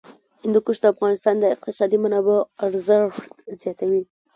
هندوکش د افغانستان د اقتصادي منابعو ارزښت زیاتوي.